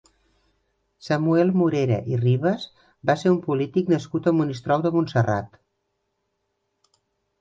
Samuel Morera i Ribas va ser un polític nascut a Monistrol de Montserrat.